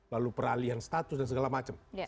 lalu peralihan status dan segala macam